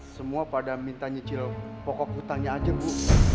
semua pada minta nyicil pokok hutangnya aja bu